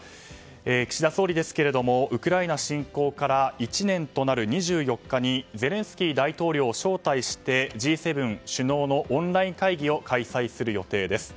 岸田総理ですがウクライナ侵攻から１年となる２４日にゼレンスキー大統領を招待してＧ７首脳のオンライン会議を開催する予定です。